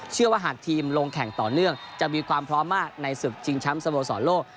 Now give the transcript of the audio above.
หากทีมลงแข่งต่อเนื่องจะมีความพร้อมมากในศึกชิงแชมป์สโมสรโลก